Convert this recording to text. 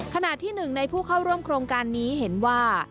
ขณะที่หนึ่งในผู้เข้าร่วมโครงการนี้เห็นว่า